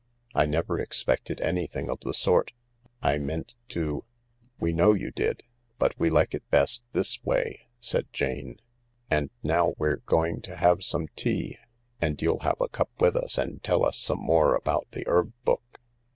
I never ex pected anythji^g of the sort. I meant to~ ^"" We kniow you did. But we like it best this way/' said Jane ; "and now we're going to h^ve some tea, and you'll F THE LARK have a cup with us and tell us some more about the herb book."